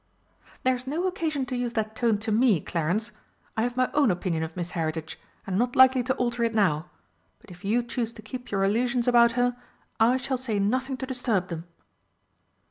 "There's no occasion to use that tone to me, Clarence. I have my own opinion of Miss Heritage, and I am not likely to alter it now. But if you choose to keep your illusions about her, I shall say nothing to disturb them."